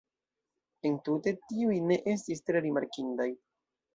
Entute, tiuj ne estis tre rimarkindaj.